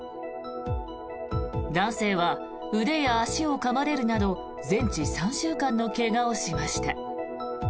男性は腕や足をかまれるなど全治３週間の怪我をしました。